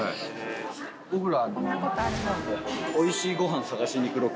僕ら。